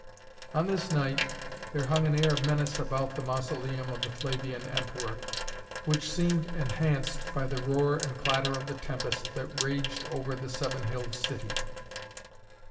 On this night there hung an air of menace about the Mausoleum of the Flavian Emperor which seemed enhanced by the roar and clatter of the tempest that raged over the seven hilled city.